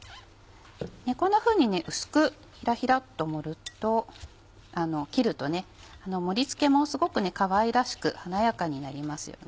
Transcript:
こんなふうに薄くひらひらっと切ると盛り付けもすごくかわいらしく華やかになりますよね。